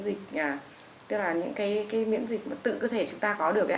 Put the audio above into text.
gọi là những miễn dịch tự cơ thể chúng ta có được